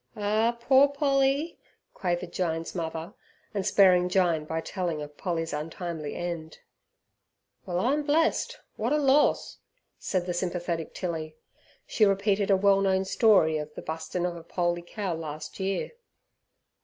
"Ah, poor Polly," quavered Jyne's mother, and sparing Jyne by telling of Polly's untimely end. "Well, I'm blest; what a lorse!" said the sympathetic Tilly. She repeated a well known story of the bu'stin' of a poley cow last year.